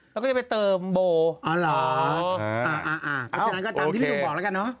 แล้วก็จะไปเติมโบอ๋อเหรออ่าอ่าเพราะฉะนั้นก็ตามที่พี่หนุ่มบอกแล้วกันเนอะ